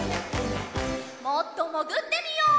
もっともぐってみよう。